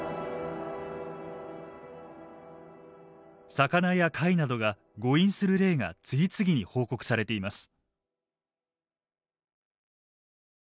魚や貝などが誤飲する例が次々に報告されています。